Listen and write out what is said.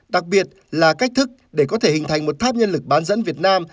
đặc biệt là cách thức để có thể hình thành một tháp nhân lực bán dẫn việt nam